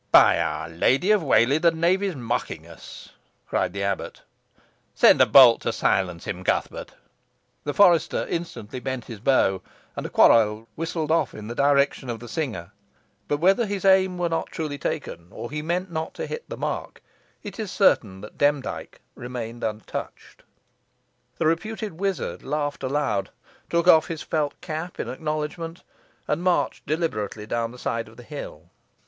"By our Lady of Whalley, the knave is mocking us," cried the abbot; "send a bolt to silence him, Cuthbert." The forester instantly bent his bow, and a quarrel whistled off in the direction of the singer; but whether his aim were not truly taken, or he meant not to hit the mark, it is certain that Demdike remained untouched. The reputed wizard laughed aloud, took off his felt cap in acknowledgment, and marched deliberately down the side of the hill.